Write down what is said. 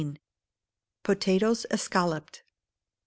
Potatoes Escalloped.